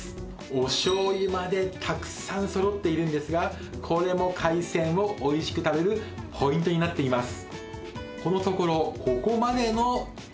お醤油までたくさん揃っているんですがこれも海鮮をおいしく食べるポイントになっています